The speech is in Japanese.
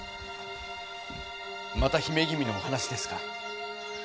また姫君のお話ですか？